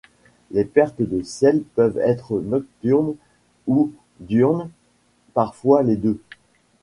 Les pertes de selles peuvent être nocturnes ou diurnes, parfois les deux.